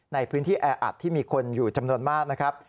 ในพื้นที่แออัดที่มีคนอยู่จำนวนมากนะครับ